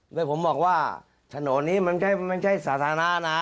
แล้วผมบอกว่าถนนนี้มันไม่ใช่สาธารณะนะ